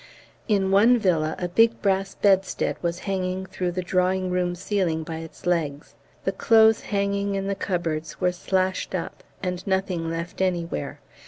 In one villa a big brass bedstead was hanging through the drawing room ceiling by its legs, the clothes hanging in the cupboards were slashed up, and nothing left anywhere.